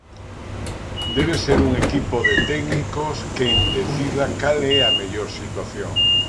Debe ser un equipo de técnicos quen decida cal é a mellor situación.